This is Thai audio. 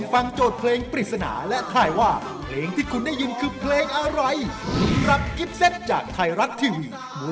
เมื่อคืนฝันดีน่าตกฝันฝันว่าพบผู้ชายโยดดี